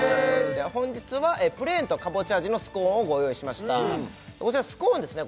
本日はプレーンとかぼちゃ味のスコーンをご用意しましたこちらスコーンですね